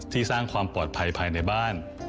สร้างความปลอดภัยภายในบ้าน